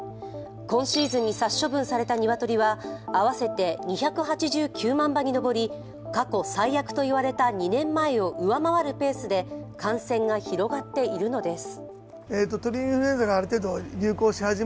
今シーズンに殺処分された鶏は合わせて２８９万羽に上り過去最悪といわれた２年前を上回るペースで感染が広がっているのです。